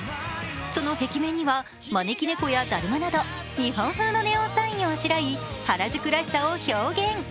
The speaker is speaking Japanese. その壁面には招き猫やだるまなど日本風のネオンサインをあしらい原宿らしさを表現。